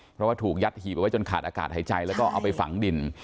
เพราะว่าถูกยัดหีบเอาไว้จนขาดอากาศหายใจแล้วก็เอาไปฝังดิน